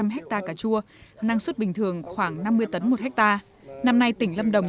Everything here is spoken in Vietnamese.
hai năm trăm linh hectare cà chua năng suất bình thường khoảng năm mươi tấn một hectare năm nay tỉnh lâm đồng